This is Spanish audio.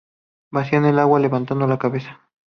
Vacían el agua levantando la cabeza.